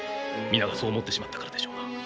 皆がそう思ってしまったからでしょうな。